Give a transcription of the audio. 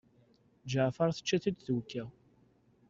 Ǧeɛfer tečča-t-id twekka.